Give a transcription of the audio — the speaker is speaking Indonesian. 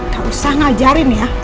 gak usah ngajarin ya